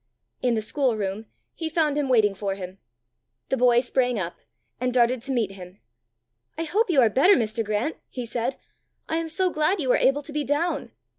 In the schoolroom he found him waiting for him. The boy sprang up, and darted to meet him. "I hope you are better, Mr. Grant!" he said. "I am so glad you are able to be down!"